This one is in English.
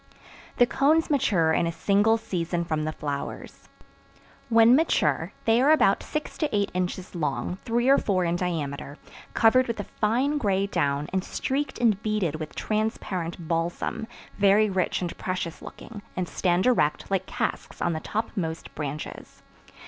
The cones mature in a single season from the flowers. When mature they are about six to eight inches long, three or four in diameter, covered with a fine gray down and streaked and beaded with transparent balsam, very rich and precious looking, and stand erect like casks on the topmost branches.